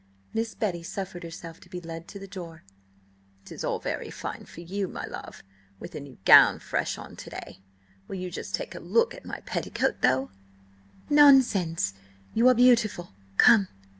Miss Betty suffered herself to be led to the door. "'Tis all very fine for you, my love, with a new gown fresh on to day! Will you just take a look at my petticoat, though?" "Nonsense, you are beautiful! Come!"